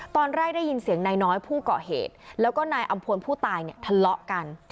ตอนแรกได้ยินเสียงนายน้อยผู้เกาะเหตุแล้วก็นายอำพลผู้ตายเนี่ยทะเลาะกัน